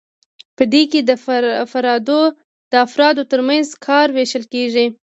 په دې کې د افرادو ترمنځ کار ویشل کیږي.